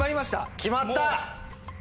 決まった！